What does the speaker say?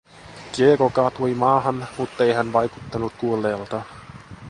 Diego kaatui maahan, muttei hän vaikuttanut kuolleelta.